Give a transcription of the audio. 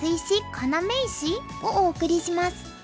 要石？」をお送りします。